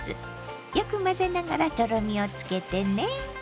よく混ぜながらとろみをつけてね。